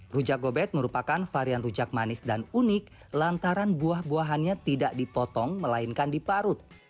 rujak gobet merupakan varian rujak manis dan unik lantaran buah buahannya tidak dipotong melainkan diparut